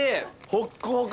ホックホク！